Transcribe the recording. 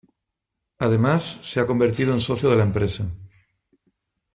Además se ha convertido en socio de la empresa.